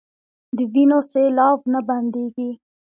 د وينو سېلاوو نه بنديږي